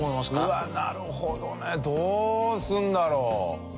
うわあなるほどね。どうするんだろう？